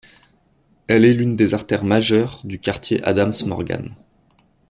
Elle est l'une des artères majeures du quartier Adams Morgan.